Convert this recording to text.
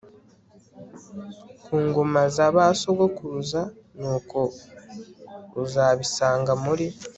ku ngoma za ba sogokuruza Nuko uzabisanga muri